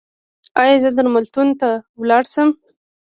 ایا زه درملتون ته لاړ شم؟